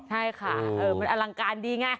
ใช่ค่ะมันอลังการดีไง